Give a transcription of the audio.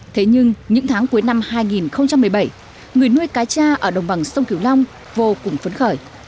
thế nhưng những tháng cuối năm hai nghìn một mươi bảy người nuôi cá cha ở đồng bằng sông kiều long vô cùng phấn khởi